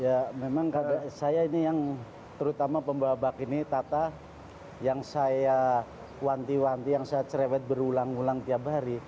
ya memang karena saya ini yang terutama pembawa bak ini tata yang saya wanti wanti yang saya cerewet berulang ulang tiap hari